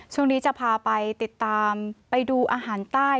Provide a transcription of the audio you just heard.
ช่วงนี้จะพาไปติดตามไปดูอาหารใต้